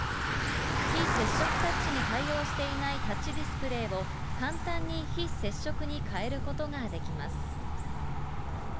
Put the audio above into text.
非接触タッチに対応していないタッチディスプレーを、簡単に非接触に変えることができます。